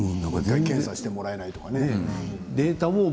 検査をしてもらえないとかね。